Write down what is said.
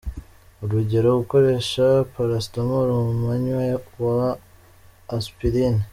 Urugero:gukoresha Paracetamol mu mwanya wa aspirin.